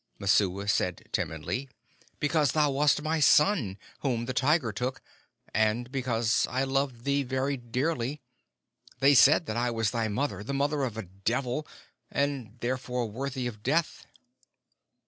Messua said timidly. "Because thou wast my son, whom the tiger took, and because I loved thee very dearly. They said that I was thy mother, the mother of a devil, and therefore worthy of death."